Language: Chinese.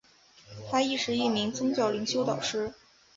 她亦是一名宗教灵修导师。